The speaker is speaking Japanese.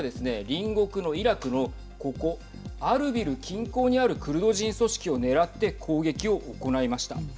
隣国のイラクのここ、アルビル近郊にあるクルド人組織を狙って攻撃を行いました。